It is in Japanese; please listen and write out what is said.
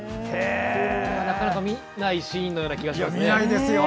なかなか見ないシーンのような気がします。